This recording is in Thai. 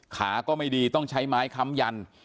ขาก็ไม่ดีต้องใช้ไม้ค้ำยัน